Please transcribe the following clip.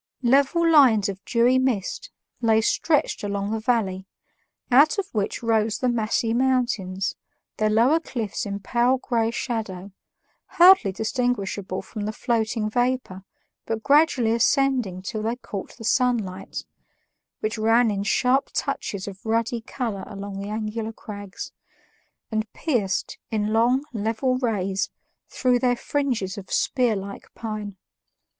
Level lines of dewy mist lay stretched along the valley, out of which rose the massy mountains, their lower cliffs in pale gray shadow, hardly distinguishable from the floating vapor but gradually ascending till they caught the sunlight, which ran in sharp touches of ruddy color along the angular crags, and pierced, in long, level rays, through their fringes of spearlike pine.